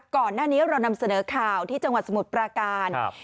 ก่อนหน้านี้เรานำเสนอข่าวที่จังหวัดสมุทรปราการ